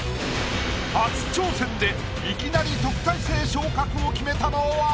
初挑戦でいきなり特待生昇格を決めたのは？